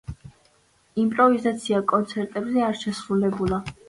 იმპროვიზაცია კონცერტებზე არ შესრულებულა.